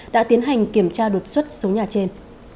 đã tiến hành kiểm tra đột xuất số nhà trên